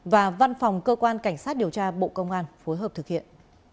và văn phòng cơ quan cảnh sát điều tra bộ công an phối hợp thực hiện